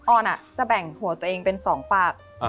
ออนจะแบ่งหัวตัวเองเป็น๒ปาก